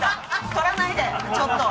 撮らないでちょっと！